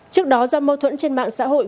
trước đó do mâu thuẫn trên mạng xã hội